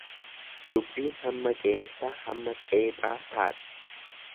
Dubbiin hamma qeensaa hamma xeephaa taati.